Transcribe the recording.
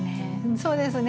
そうですね